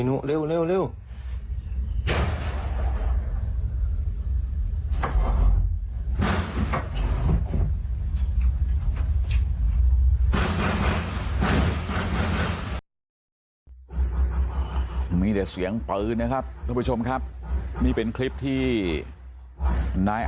โปรดติดตามตอนต่อไป